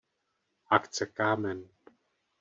Akce „Kámen“.